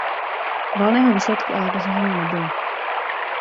Valného výsledku ale dosaženo nebylo.